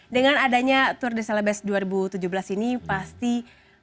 dengan adanya tour de celebes dua ribu tujuh belas ini pasti bapak sebagai gubernur